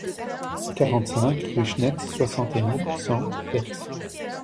quarante-cinq rue Schnetz, soixante et un, cent, Flers